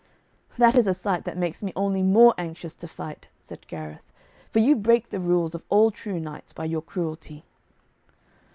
'That is a sight that makes me only more anxious to fight,' said Gareth, 'for you break the rules of all true knights by your cruelty.'